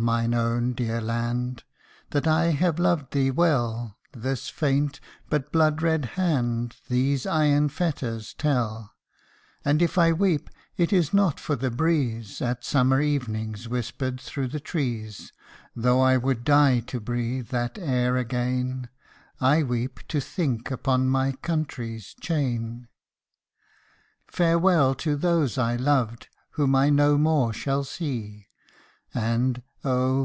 mine own dear land ! That I have loved thee well, This faint, but blood red hand, These iron fetters tell : And if I weep, it is not for the breeze, At summer evenings whispered thro 1 the trees ; Though I would die to breathe that air again I weep, to think upon my country's chain ! THE REBEL. Farewell to those I loved, Whom I no more shall see ; And, oh!